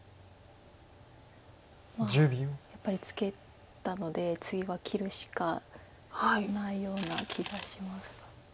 やっぱりツケたので次は切るしかないような気がしますが。